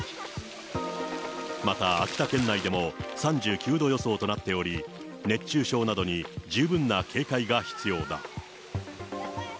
また、秋田県内でも３９度予想となっており、熱中症などに十分な警戒が必要だ。